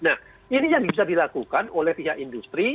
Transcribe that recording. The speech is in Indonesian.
nah ini yang bisa dilakukan oleh pihak industri